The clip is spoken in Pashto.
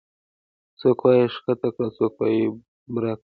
څوک وايي ښکته کړه او څوک وايي چې بره کړه